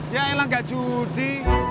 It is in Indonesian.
ya elang gak sudi